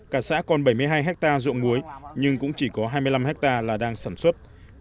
cả xã còn bảy mươi hai hectare dụng muối nhưng cũng chỉ có hai mươi năm hectare là đang sản xuất